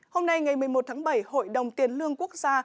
hôm nay ngày một mươi một tháng bảy hội đồng tiền lương quốc gia